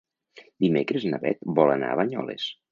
Dimecres na Beth vol anar a Banyoles.